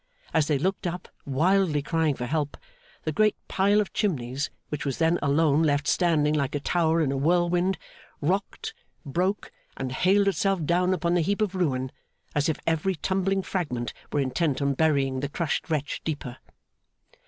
As they looked up, wildly crying for help, the great pile of chimneys, which was then alone left standing like a tower in a whirlwind, rocked, broke, and hailed itself down upon the heap of ruin, as if every tumbling fragment were intent on burying the crushed wretch deeper.